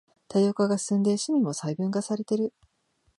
多様化が進んで趣味も細分化されてる